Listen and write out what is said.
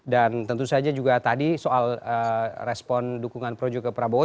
dan tentu saja juga tadi soal respon dukungan proyek ke prabowo